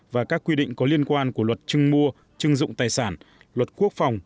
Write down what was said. và các quy định có liên quan của luật chưng mua chưng dụng tài sản luật quốc phòng